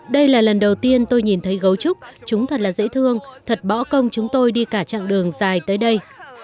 đây là lần đầu tiên tôi nhìn thấy gấu trúc chúng thật là dễ thương thật võ công chúng tôi đi cả chặng đường dài tới đây